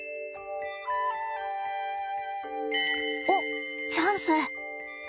おっチャンス！